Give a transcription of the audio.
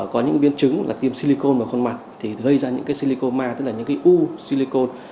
có những biến chứng là tiêm silicone vào khuôn mặt thì gây ra những cái silicone ma tức là những cái u silicone